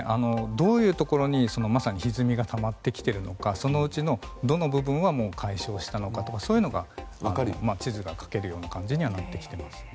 どういうところにひずみがたまっているのかそのうちのどの部分が解消したのかとかそういうのが分かるように地図が描ける感じになってきています。